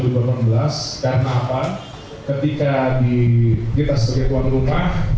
karena apa ketika di gita sergituan rumah